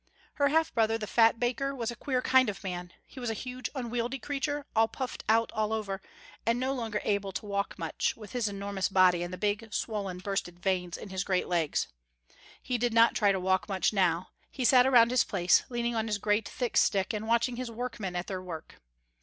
Her half brother, the fat baker, was a queer kind of a man. He was a huge, unwieldy creature, all puffed out all over, and no longer able to walk much, with his enormous body and the big, swollen, bursted veins in his great legs. He did not try to walk much now. He sat around his place, leaning on his great thick stick, and watching his workmen at their work.